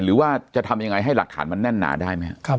หรือว่าจะทำยังไงให้หลักฐานมันแน่นหนาได้ไหมครับ